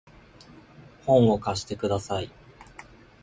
本を貸してください